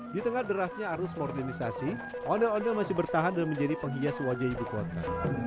di tengah derasnya arus modernisasi ondel ondel masih bertahan dan menjadi penghias wajah ibu kota